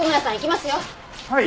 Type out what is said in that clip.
はい。